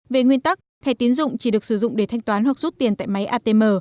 về nguyên tắc thẻ tiến dụng chỉ được sử dụng để thanh toán hoặc rút tiền tại máy atm